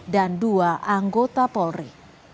dan dua anggota polri